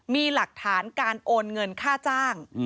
มีหลักฐานการโอนเงินค่าจ้าง